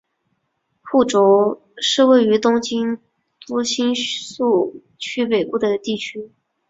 户冢是位于东京都新宿区北部的地区。